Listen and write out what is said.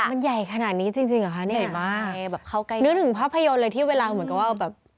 มันใหญ่ขนาดนี้จริงเหนื่อยมากค่ะนึกถึงภาพยนตร์เลยที่เวลาเหมือนกันว่า